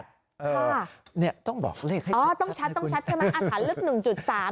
ค่ะต้องบอกเลขให้ชัดนะคุณอ๋อต้องชัดใช่ไหม